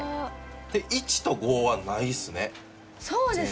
１と５はないですね